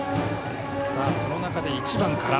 その中で、１番から。